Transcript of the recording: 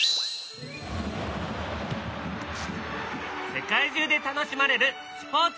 世界中で楽しまれるスポーツ！